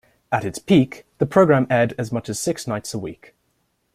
At its peak, the program aired as much as six nights a week.